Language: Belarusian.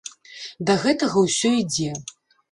Да гэтага ўсё ідзе.